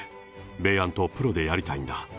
ベーヤンとプロでやりたいんだ。